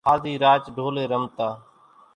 هازِي راچ ڍولين رمتان۔